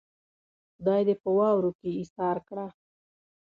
خدای دې په واورو کې ايسار کړه.